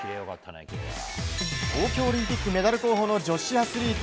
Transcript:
東京オリンピックメダル候補の女子アスリート。